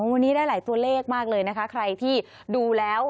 วันนี้ได้หลายตัวเลขมากเลยนะคะใครที่ดูแล้ว